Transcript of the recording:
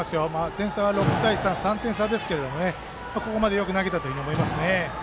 点差は６対３３点差ですけれどもここまでよく投げたと思います。